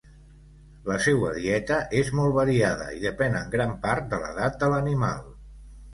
La seua dieta és molt variada i depèn en gran part de l'edat de l'animal.